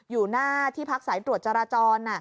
อยู่หน้าที่พักสายตรวจจราจร